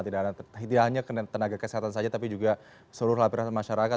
tidak hanya tenaga kesehatan saja tapi juga seluruh lapisan masyarakat